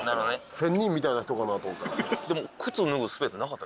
仙人みたいな人かなと思った。